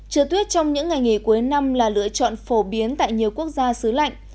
trưa tuyết trong những ngày nghỉ cuối năm là lựa chọn phổ biến tại nhiều quốc gia xứ lạnh